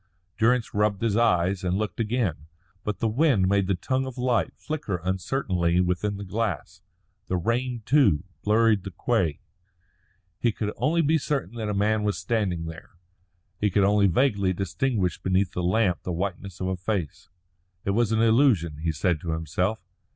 Durrance rubbed his eyes and looked again. But the wind made the tongue of light flicker uncertainly within the glass; the rain, too, blurred the quay. He could only be certain that a man was standing there, he could only vaguely distinguish beneath the lamp the whiteness of a face. It was an illusion, he said to himself.